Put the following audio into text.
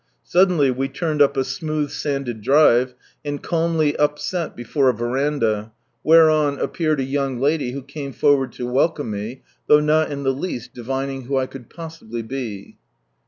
Suddenly we turned up a mooth'Sanded drive, and calmly upset before a verandah, whereon appeared a lo From Sunrise Land young lady, who came forward to welcome me, thouf;h not in ihe least divining who I could possibly be.